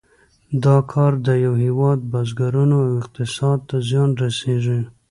دا کار د یو هېواد بزګرانو او اقتصاد ته زیان رسیږي.